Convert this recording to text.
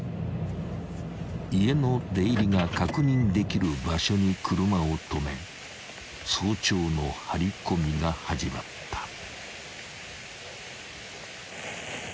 ［家の出入りが確認できる場所に車を止め早朝の張り込みが始まった］